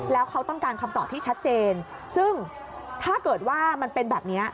แล้วเขาต้องการคำตอบที่ชัดเจนซึ่งถ้าเกิดว่ามันเป็นแบบนี้